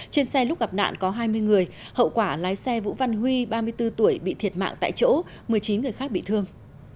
trên xe lúc gặp nạn có hai mươi người hậu quả lái xe vũ văn huy ba mươi bốn tuổi bị thiệt mạng tại chỗ một mươi chín người khác bị thương